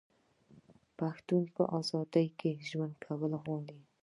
پښتون په ازادۍ کې ژوند کول غواړي.